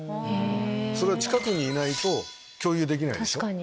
それは近くにいないと共有できないでしょ。